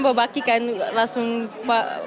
setelah dibersihkan saya juga membawakikan